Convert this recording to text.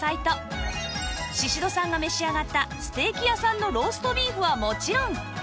宍戸さんが召し上がったステーキ屋さんのローストビーフはもちろん